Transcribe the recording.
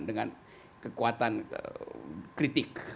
dengan kekuatan kritik